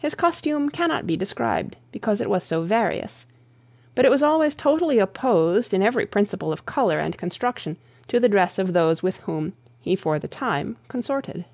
His costume cannot be described, because it was so various; but it was always totally opposed in every principle of colour and construction to the dress of those with whom he for the time consorted.